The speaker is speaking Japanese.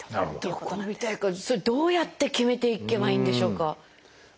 それどうやって決めていけばいいんでしょうか？